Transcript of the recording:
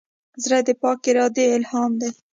زړه د پاک ارادې الهام دی.